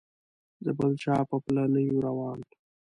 د بل چا په پله نه یو روان.